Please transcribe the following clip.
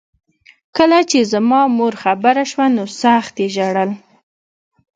کله چې زما مور خبره شوه نو سخت یې ژړل